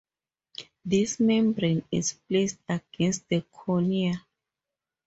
This membrane is placed against the cornea.